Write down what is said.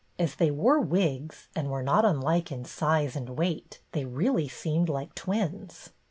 As they wore wigs and were not unlike in size and weight they really seemed like twins.